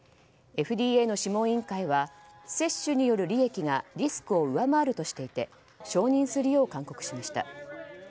ＦＤＡの諮問委員会は接種による利益がリスクを上回るとしていて承認するよう勧告しました。